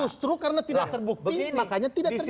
justru karena tidak terbukti makanya tidak terjadi